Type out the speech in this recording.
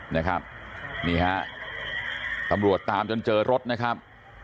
นี่ฮะตำรวจตามจนเจอรถนะครับ